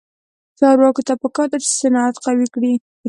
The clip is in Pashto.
چارواکو ته پکار ده چې، صنعت قوي کړي.